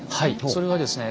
それはですね